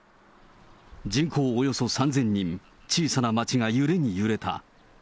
人口およそ３０００人、小さな町が揺れに揺れた。